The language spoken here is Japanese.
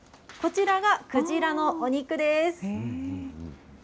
こちらがくじらのお肉です。